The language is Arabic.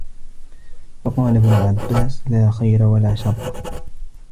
فَقَالَ ابْنُ عَبَّاسٍ لَا خَيْرَ وَلَا شَرَّ